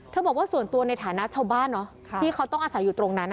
บอกว่าส่วนตัวในฐานะชาวบ้านที่เขาต้องอาศัยอยู่ตรงนั้น